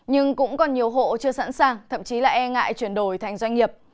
nhưng cũng còn nhiều hộ chưa sẵn sàng thậm chí là e ngại chuyển đổi thành doanh nghiệp